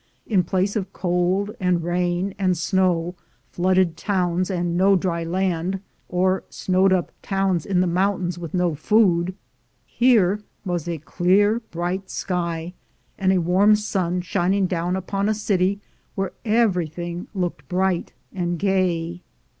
In place of cold and rain and snow, flooded towns, and no dry land, or snowed up towns in the mountains with no food, here was a clear bright sky, and a warm sun shining down upon a city where everything looked bright and gay.